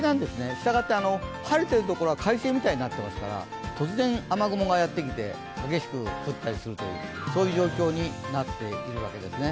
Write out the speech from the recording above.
したがって晴れているところは快晴みたいになっていますから突然、雨雲がやってきて激しく降ったりする状況になっているわけですね。